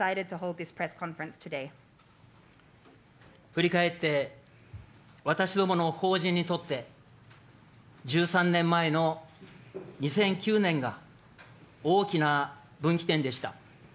振り返って、私どもの法人にとって、１３年前の２００９年が、大きな分岐点でした。